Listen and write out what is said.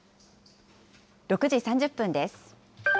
６時３０分です。